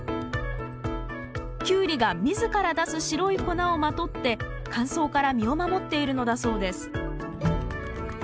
キュウリが自ら出す白い粉をまとって乾燥から身を守っているのだそうです。